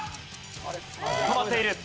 止まっている。